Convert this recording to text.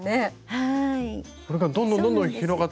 はい。